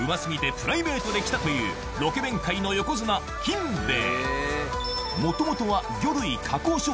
プライベートで来たというロケ弁界の横綱金兵衛